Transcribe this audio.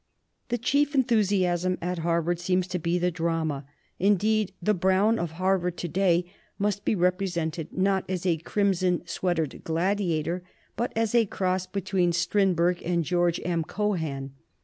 The chief enthusiasm at Harvard seems to be the drama; indeed, the Brown of Harvard to day must be represented not as a crimson sweatered gladiator but as a cross between Strindberg and George M. Cohan.